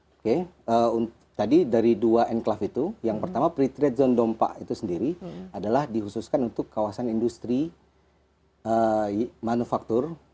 oke tadi dari dua enclaft itu yang pertama pre treat zone dompa itu sendiri adalah dikhususkan untuk kawasan industri manufaktur